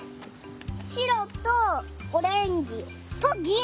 しろとオレンジ。とぎん！